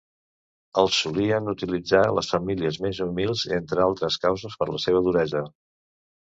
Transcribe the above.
El solien utilitzar les famílies més humils entre altres causes per la seva duresa.